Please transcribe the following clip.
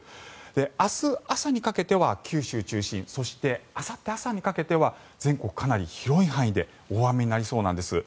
明日朝にかけては九州中心そして、あさって朝にかけて全国かなり広い範囲で大雨になりそうなんです。